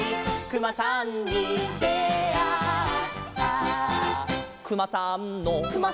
「くまさんの」